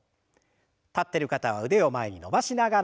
立ってる方は腕を前に伸ばしながら。